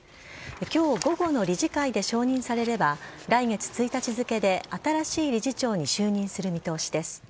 今日午後の理事会で承認されれば来月１日付で新しい理事長に就任する見通しです。